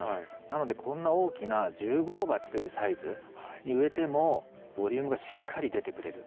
なのでこんな大きな１０号鉢というサイズに植えてもボリュームがしっかり出てくれる。